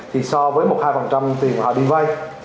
thì so với một hai tiền họ đi vay